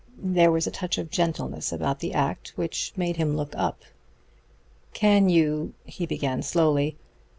There was a touch of gentleness about the act which made him look up. "Can you " he began slowly.